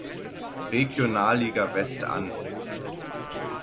Regionalliga West an.